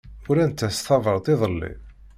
Urant-as tabrat iḍelli.